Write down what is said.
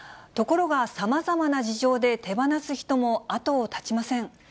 ところが、さまざまな事情で手放す人も後を絶ちません。